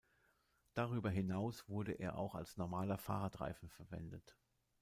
Darüber hinaus wurde er auch als normaler Fahrradreifen verwendet.